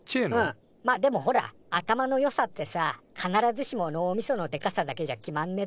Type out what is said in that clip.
まあでもほら頭の良さってさ必ずしも脳みそのでかさだけじゃ決まんね